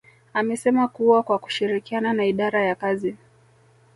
amesema kuwa kwa kushirikiana na idara ya kazi